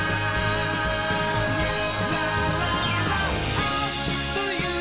「あっというまっ！